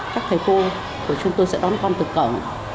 các thầy cô của chúng tôi sẽ đón con từ cổng